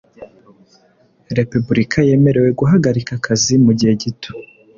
Repubulika yemerewe guhagarika akazi mu gihe gito